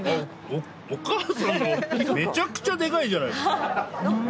お母さんのめちゃくちゃでかいじゃないですか！